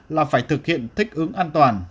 là phải thực hiện thích ứng an toàn